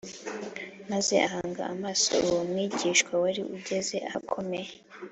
maze ahanga amaso uwo mwigishwa wari ugeze ahakomeye